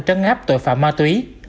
trấn áp tội phạm ma túy